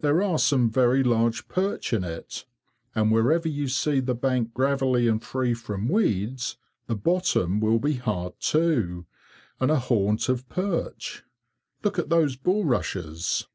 There are some very large perch in it, and wherever you see the bank gravelly and free from reeds, the bottom will be hard too, and a haunt of perch. Look at those bulrushes."